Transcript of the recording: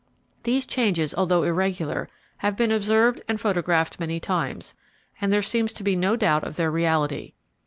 These changes, although irregular, have been observed and photographed many times, and there seems to be no doubt of their reality.